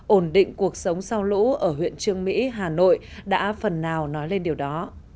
ổn định cuộc sống sau lũ ở huyện trương mỹ hà nội đã phần nào nói lên điều đó